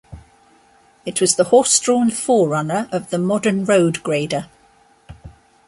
It was the horse drawn forerunner of the modern road grader.